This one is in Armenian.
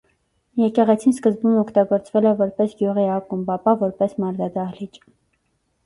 Եկեղեցին սկզբում օգտագործվել է որպես գյուղի ակումբ, ապա որպես մարզադահլիճ։